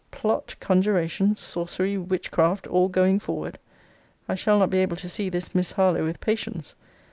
Plot, conjuration, sorcery, witchcraft, all going forward! I shall not be able to see this Miss Harlowe with patience.